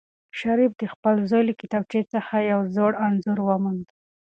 شریف د خپل زوی له کتابچې څخه یو زوړ انځور وموند.